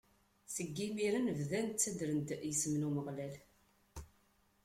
Seg imiren, bdan ttaddren-d isem n Umeɣlal.